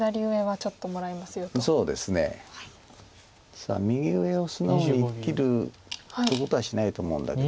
さあ右上を素直に生きるってことはしないと思うんだけど。